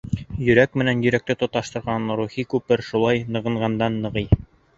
Йөрәк менән йөрәкте тоташтырған рухи күпер шулай нығынғандан-нығый.